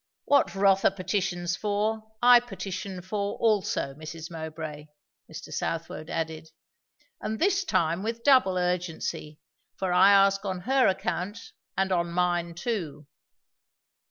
"What Rotha petitions for, I petition for also, Mrs. Mowbray," Mr. Southwode added; "and this time with double urgency, for I ask on her account and on mine too."